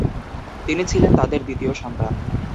তিনি ছিলেন তাদের দ্বিতীয় সন্তান।